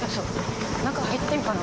中入ってんかな。